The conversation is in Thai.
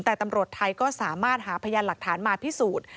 แต่ตำรวจไทยก็สามารถหาพยานหลักฐานมาพิสูจน์